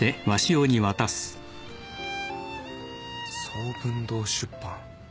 「創文堂出版」